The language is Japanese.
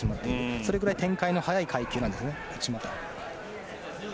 それくらい展開の早い階級なんですね。